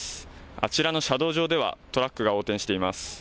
あちらの車道上では、トラックが横転しています。